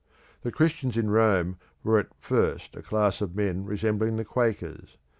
The Christians in Rome were at first a class of men resembling the Quakers.